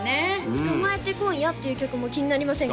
「捕まえて、今夜。」っていう曲も気になりませんか？